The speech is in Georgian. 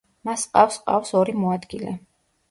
მას ჰყავს ჰყავს ორი მოადგილე.